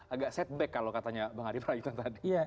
agak setback kalau katanya bang adip rayitno tadi